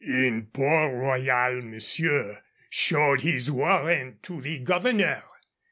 In Port Royal monsieur showed his warrant to the governor.